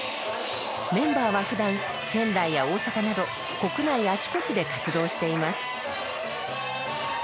メンバーはふだん仙台や大阪など国内あちこちで活動しています。